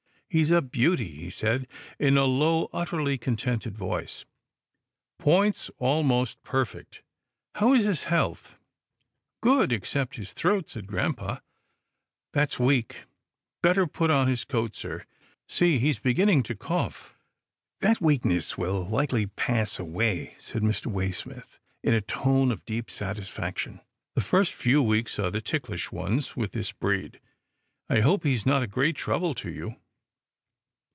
" He's a beauty," he said in a low, utterly contented voice, " points almost perfect. How is his health?" " Good, except his throat," said grampa, " that's weak. Better put on his coat, sir. See, he's be ginning to cough." " That weakness will likely pass away," said Mr. Waysmith in a tone of deep satisfaction. " The first few weeks are the ticklish ones with this breed. I hope he is not a great trouble to you."